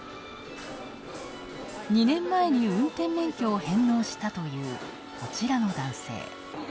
２年前に運転免許を返納したという、こちらの男性。